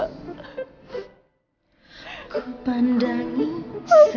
sekarang dia udah gede